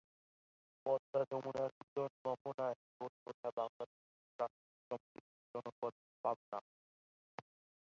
পদ্মা যমুনার মিলন মোহনায় গড়ে ওঠা বাংলাদেশের প্রাচীন সমৃদ্ধ জনপদ পাবনা।